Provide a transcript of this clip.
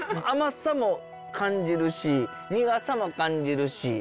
甘さも感じるし苦さも感じるし。